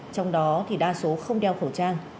trong đó đa số không đeo khẩu trang